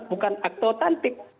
bukan akto tantik